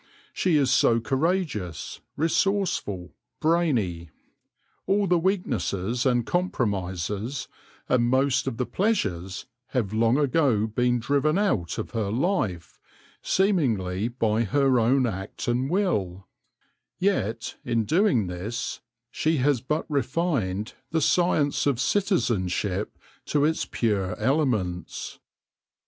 She is so courageous, resourceful, brainy. All the weak nesses and compromises, and most of the pleasures, have long ago been driven out of her life, seemingly by her own act and will ; yet, in doing this, she has but refined the science of citizenship to its pure elements.